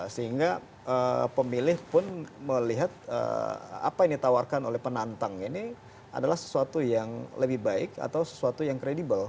sehingga pemilih pun melihat apa yang ditawarkan oleh penantang ini adalah sesuatu yang lebih baik atau sesuatu yang kredibel